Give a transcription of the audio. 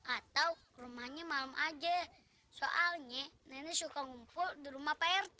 atau rumahnya malam aja soalnya nenek suka ngumpul di rumah prt